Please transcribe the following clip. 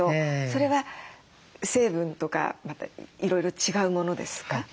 それは成分とかいろいろ違うものですか？